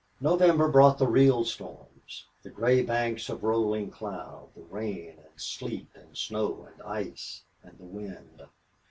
November brought the real storms the gray banks of rolling cloud, the rain and sleet and snow and ice, and the wind.